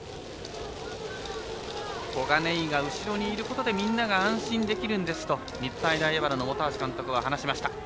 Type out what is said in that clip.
小金井が後ろにいることでみんなが安心できるんですと日体大荏原の本橋監督は話しました。